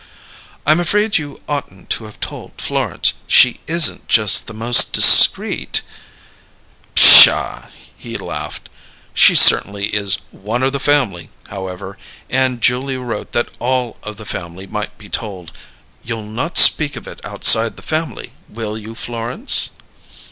"I'm afraid you oughtn't to have told Florence. She isn't just the most discreet " "Pshaw!" he laughed. "She certainly is 'one of the family', however, and Julia wrote that all of the family might be told. You'll not speak of it outside the family, will you, Florence?"